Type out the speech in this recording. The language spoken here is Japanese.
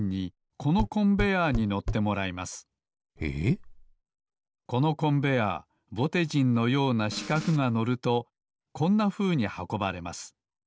このコンベアーぼてじんのようなしかくが乗るとこんなふうにはこばれます。